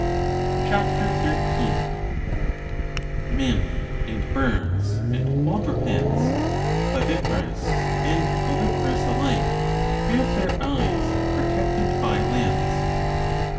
* (C/t. 13.^ Men, and Birds, and Quadrupeds, viviparous and oviparous alike, have their eyes protected by lids.